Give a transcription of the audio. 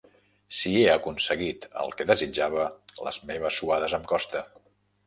Si he aconseguit el que desitjava, les meves suades em costa.